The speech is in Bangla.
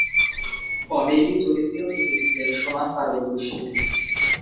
কমেডি চরিত্রেও তিনি ছিলেন সমান পারদর্শী।